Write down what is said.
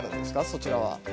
そちらは。